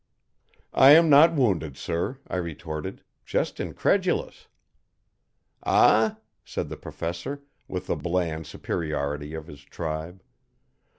"I am not wounded, sir," I retorted. "Just incredulous!" "Ah?" said the Professor, with the bland superiority of his tribe.